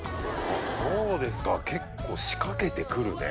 そうですか結構仕掛けて来るね。